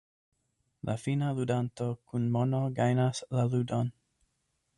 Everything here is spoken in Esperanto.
La fina ludanto kun mono gajnas la ludon.